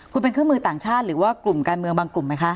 คุณเป็นเครื่องมือต่างชาติหรือว่ากลุ่มการเมืองบางกลุ่มไหมคะ